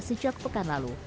sejak pekan lalu